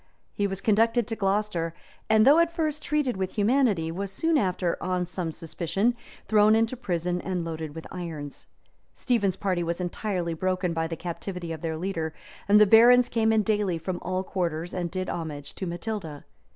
He was conducted to Glocester; and though at first treated with humanity, was soon after, on some suspicion, thrown into prison, and loaded with irons. Stephen's party was entirely broken by the captivity of their leader, and the barons came in daily from all quarters, and did homage to Matilda.